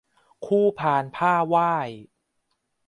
คู่พานผ้าไหว้